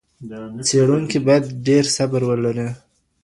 څېړونکی باید ډېر صبر ولري.